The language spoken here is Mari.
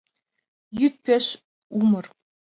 Йӱд пеш умыр.